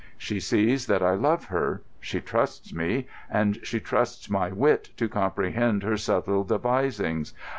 She sees that I love her. She trusts me. And she trusts my wit to comprehend her subtle devisings.